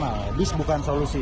nah bis bukan solusi